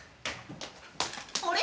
あれ？